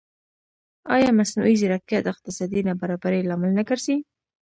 ایا مصنوعي ځیرکتیا د اقتصادي نابرابرۍ لامل نه ګرځي؟